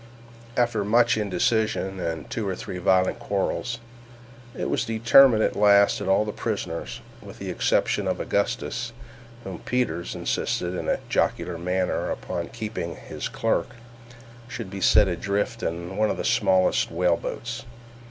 After much indecision and two or three violent quarrels, it was determined at last that all the prisoners (with the exception of Augustus, whom Peters insisted in a jocular manner upon keeping as his clerk) should be set adrift in one of the smallest whaleboats.